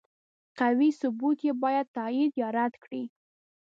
قوي ثبوت یې باید تایید یا رد کړي.